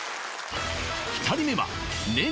２人目は今